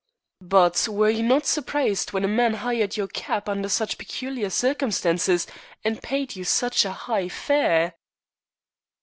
"But were you not surprised when a man hired your cab under such peculiar circumstances, and paid you such a high fare?"